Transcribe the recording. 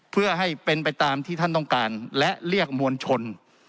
เพื่อให้เป็นไปตามที่ท่านต้องการและเรียกมวลชน